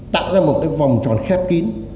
tạo ra một cái vòng tròn khép kín